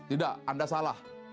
tidak anda salah